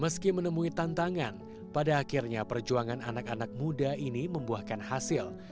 meski menemui tantangan pada akhirnya perjuangan anak anak muda ini membuahkan hasil